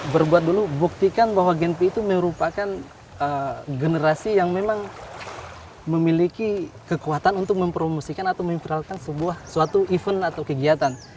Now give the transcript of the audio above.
berbuat dulu buktikan bahwa genpi itu merupakan generasi yang memang memiliki kekuatan untuk mempromosikan atau memviralkan sebuah suatu event atau kegiatan